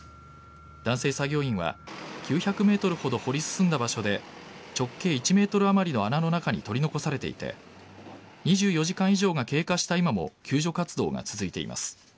男性作業員は９００ｍほど掘り進んだ場所で直径１ｍあまりの穴の中に取り残されていて２４時間以上が経過した今も救助活動が続いています。